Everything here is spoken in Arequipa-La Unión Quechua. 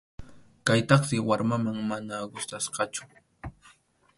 Kaytaqsi warmaman mana gustasqachu.